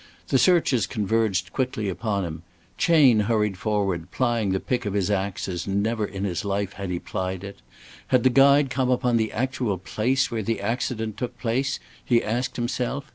The searchers converged quickly upon him. Chayne hurried forward, plying the pick of his ax as never in his life had he plied it. Had the guide come upon the actual place where the accident took place, he asked himself?